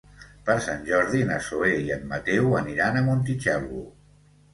Per Sant Jordi na Zoè i en Mateu aniran a Montitxelvo.